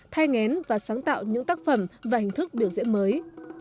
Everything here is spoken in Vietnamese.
thay ngén và sáng tạo những tác phẩm và hình thức biểu diễn mới